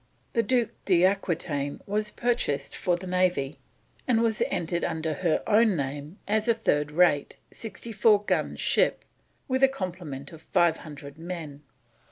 The Duc d'Aquitaine was purchased for the Navy, and was entered under her own name as a third rate, 64 gun ship, with a complement of 500 men.